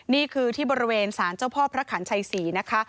นี่คือที่บริเวณสารเจ้าพ่อพระขันชัยศรีนะคะ